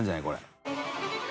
これ。